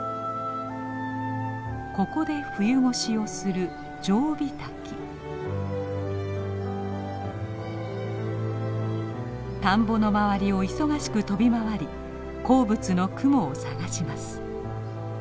ここで冬越しをする田んぼの周りを忙しく飛び回り好物のクモを探します。